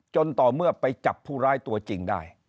ต่อเมื่อไปจับผู้ร้ายตัวจริงได้